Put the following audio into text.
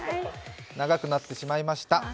長くなってしまいました。